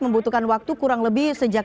membutuhkan waktu kurang lebih sejak